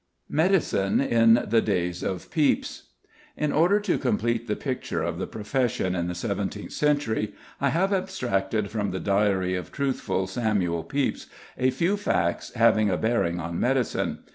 MEDICINE IN THE DAYS OF PEPYS. In order to complete the picture of the profession in the seventeenth century, I have abstracted from the Diary of truthful Samuel Pepys a few facts having a bearing on medicine.